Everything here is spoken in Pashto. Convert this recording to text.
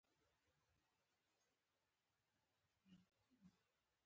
پیاز د ورځې خوړلو لپاره ښه انتخاب دی